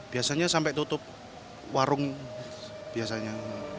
biasanya sampai tutup warung biasanya